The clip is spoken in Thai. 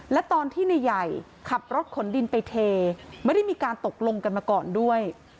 และตอนที่นายใหญ่ขับรถขนดินไปเทไม่ได้มีการตกลงกันมาก่อนด้วย